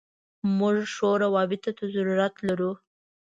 موږ ښو راوبطو ته ضرورت لرو.